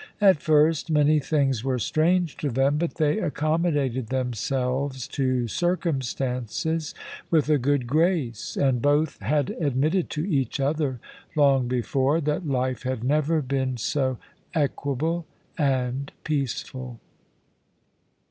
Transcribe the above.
At first many things were strange to them, but they accommodated themselves to circumstances with a good grace, and both had admitted to each other, long before, that life had never been so equable and peaceful.